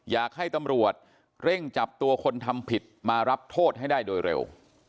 อยากให้ตำรวจเร่งจับตัวคนทำผิดมารับโทษให้ได้โดยเร็ว